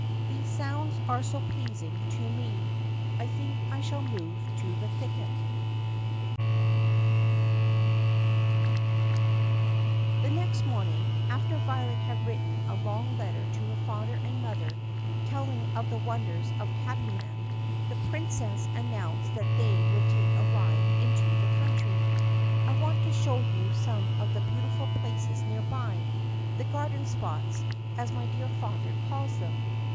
These sounds are so pleasing to me I think I shall move to the thicket. 78 THE PUSSYCAT PRINCESS 79 T HE next morning, after Violet had written a long letter to her father and mother telling of the wonders of Tabbyland, the Princess announced that they would take a ride into the country. "I want to show you some of the beautiful places near by — the garden spots, as my dear father calls them."